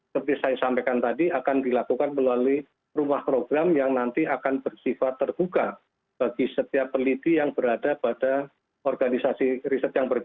seperti saya sampaikan tadi akan dilakukan melalui rumah program yang nanti akan bersifat terbuka bagi setiap peneliti yang berada pada organisasi riset yang berbeda